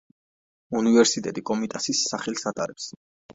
უნივერსიტეტი კომიტასის სახელს ატარებს.